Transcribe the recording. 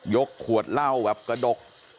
ขวดเหล้าแบบกระดก